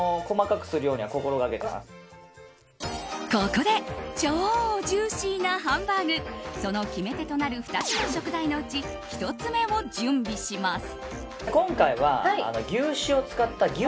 ここで超ジューシーなハンバーグその決め手となる２つの食材のうち１つ目を準備します。